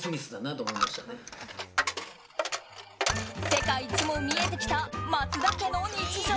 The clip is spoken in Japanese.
世界一も見えてきた「マツダ家の日常」。